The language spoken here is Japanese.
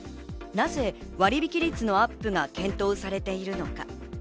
なぜ割引率のアップが検討されているのか。